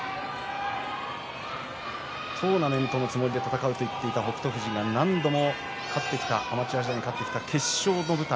トーナメントのつもりで戦うと言っていた北勝富士何度もアマチュア時代に勝ってきた決勝の舞台。